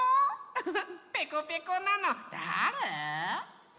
ウフフペコペコなのだあれ？